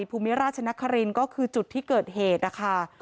ภูมิราชนครินทร์ก็คือจุดที่เกิดเหตุนะคะ